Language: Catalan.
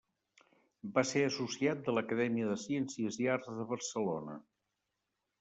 Va ser associat de l'Acadèmia de Ciències i Arts de Barcelona.